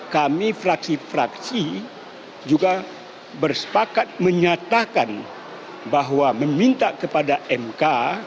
kami fraksi fraksi juga bersepakat menyatakan bahwa meminta kepada mk